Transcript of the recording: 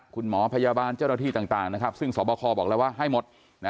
คุณหมอพยาบาลเจ้าหน้าที่ต่างนะครับซึ่งสอบคอบอกแล้วว่าให้หมด